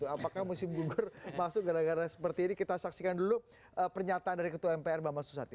apakah musim gugur masuk gara gara seperti ini kita saksikan dulu pernyataan dari ketua mpr bambang susatyo